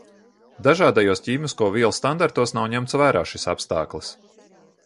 Dažādajos ķīmisko vielu standartos nav ņemts vērā šis apstāklis.